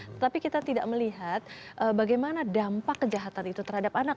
tetapi kita tidak melihat bagaimana dampak kejahatan itu terhadap anak